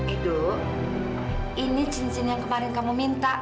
itu ini cincin yang kemarin kamu minta